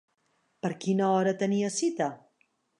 Per quina hora tenia cita?